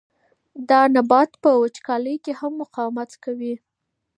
دا نبات په وچکالۍ کې هم مقاومت کوي.